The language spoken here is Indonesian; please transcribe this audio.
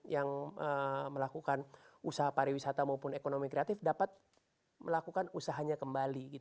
yang melakukan usaha pariwisata maupun ekonomi kreatif dapat melakukan usahanya kembali